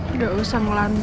udah usah ngelanjut